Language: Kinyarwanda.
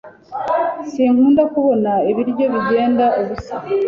Sinkunda kubona ibiryo bigenda ubusa